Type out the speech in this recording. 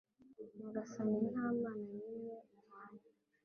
Nyagasani nta mana n’imwe muhwanye